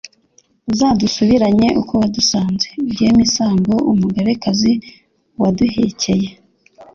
Uzadusubiranye uko wadusanze, by'emisango Umugabekazi waduhekeye,